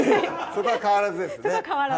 そこは変わらずなんです